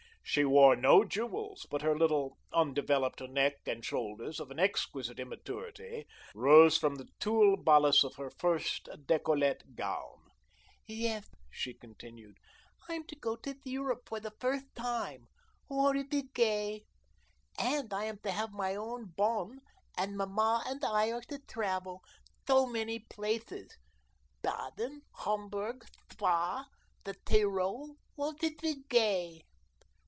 She wore no jewels, but her little, undeveloped neck and shoulders, of an exquisite immaturity, rose from the tulle bodice of her first decollete gown. "Yes," she continued; "I'm to go to Europe for the first time. Won't it be gay? And I am to have my own bonne, and Mamma and I are to travel so many places, Baden, Homburg, Spa, the Tyrol. Won't it be gay?"